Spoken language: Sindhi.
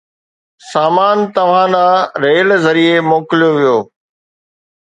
سامان توهان ڏانهن ريل ذريعي موڪليو ويو